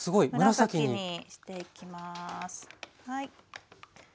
紫にしていきます。